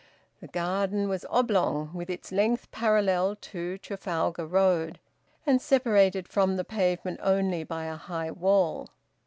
The garden was oblong, with its length parallel to Trafalgar Road, and separated from the pavement only by a high wall.